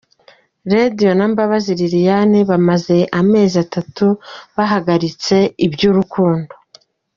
Radio na Mbabazi Lilian bamaze amezi atatu bahagaritse iby’urukundo.